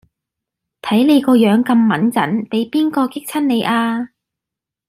睇你個樣咁䒐䒏畀邊個激親你呀